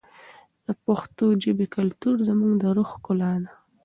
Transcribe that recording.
د پښتو ژبې کلتور زموږ د روح ښکلا ده.